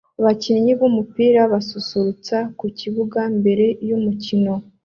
Abakinnyi b'umupira basusurutsa mu kibuga mbere yumukino